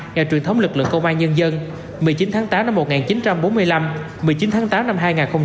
ngày truyền thống lực lượng công an nhân dân một mươi chín tháng tám năm một nghìn chín trăm bốn mươi năm một mươi chín tháng tám năm hai nghìn hai mươi ba